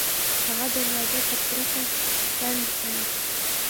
هغه دروازه په کرکه پرانیستله